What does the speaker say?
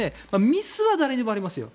ミスは誰にでもありますよ。